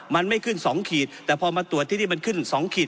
มันไม่ขึ้น๒ขีดแต่พอมาตรวจที่นี่มันขึ้น๒ขีด